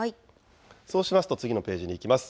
そうしますと次のページに行きます。